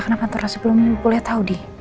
kenapa antara sebelumnya boleh tahu di